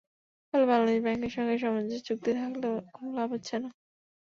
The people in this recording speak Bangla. ফলে বাংলাদেশ ব্যাংকের সঙ্গে সমঝোতা চুক্তি থাকলেও কোনো লাভ হচ্ছে না।